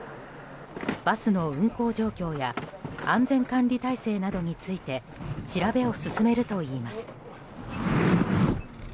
バスの運行状況や安全管理体制などについて調べを進めるといいます。